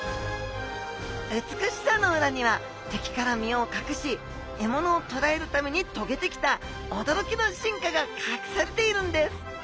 美しさの裏にはてきから身をかくし獲物をとらえるためにとげてきたおどろきの進化がかくされているんです！